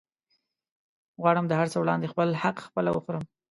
غواړم د هرڅه وړاندې خپل حق خپله وخورم